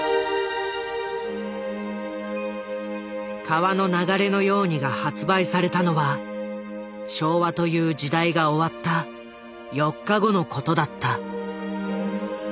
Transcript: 「川の流れのように」が発売されたのは昭和という時代が終わった４日後の事だった。